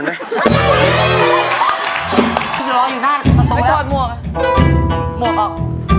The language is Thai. วิกหรอครับ